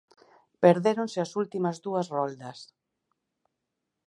Perdéronse as últimas dúas roldas.